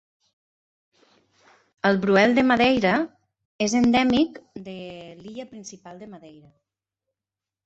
El bruel de Madeira és endèmic de l'illa principal de Madeira.